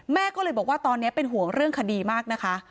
แม่ก็เลยบอกว่าตอนนี้เป็นห่วงเรื่องคดีมากนะคะ